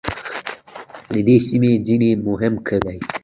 د دې سیمې ځینې مهم کلي